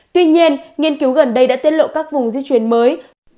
tuy nhiên nghiên cứu gần đây đã tiết lộ các vùng di chuyển mới